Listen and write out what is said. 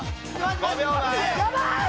５秒前！